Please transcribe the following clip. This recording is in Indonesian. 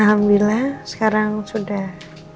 alhamdulillah sekarang sudah